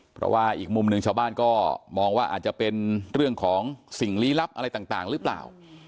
เพราะว่าอีกมุมหนึ่งชาวบ้านก็มองว่าอาจจะเป็นเรื่องของสิ่งลี้ลับอะไรต่างหรือเปล่า